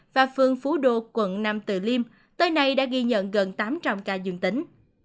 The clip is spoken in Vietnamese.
và phương phú đô quận nam từ liêm tới nay đã ghi nhận gần tám trăm linh ca dương tính